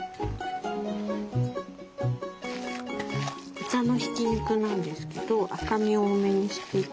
豚のひき肉なんですけど赤身を多めにしていて。